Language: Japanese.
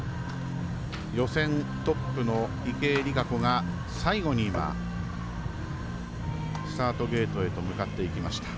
予選トップの池江璃花子が最後にスタートゲートへと向かっていきました。